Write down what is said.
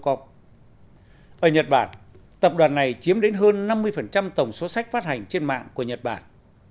ở nhật bản tập đoàn này chiếm đến hơn năm mươi tổng số sách phát hành trên mạng của nhật bản